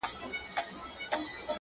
سمدستي یې پلرنی عادت په ځان سو،